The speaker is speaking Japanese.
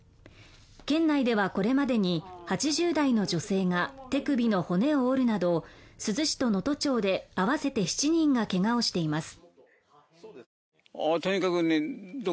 県内ではこれまでに８０代の女性が手首の骨を折るなど珠洲市と能登町で合わせて７人がけがをしています。